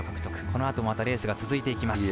このあともレースが続いていきます。